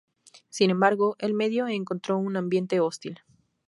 Sin embargo el medio encontró un ambiente hostil.